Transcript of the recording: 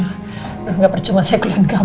nggak percuma sekulan kamu